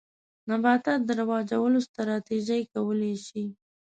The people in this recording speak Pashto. نباتاتو د رواجولو ستراتیژۍ کولای شي.